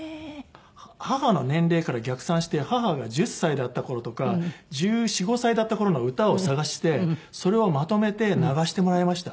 母の年齢から逆算して母が１０歳だった頃とか１４１５歳だった頃の歌を探してそれをまとめて流してもらいました。